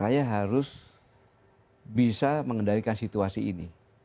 saya harus bisa mengendalikan situasi ini